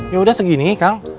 yaudah segini kang